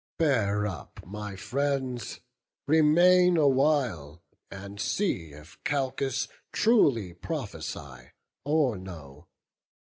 Bear up, my friends, remain awhile, and see If Calchas truly prophesy, or no.